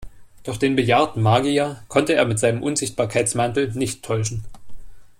Doch den bejahrten Magier konnte er mit seinem Unsichtbarkeitsmantel nicht täuschen.